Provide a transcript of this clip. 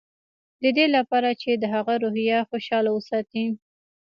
د دې لپاره چې د هغه روحيه خوشحاله وساتي.